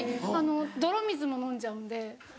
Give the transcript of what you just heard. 泥水も飲んじゃうんで。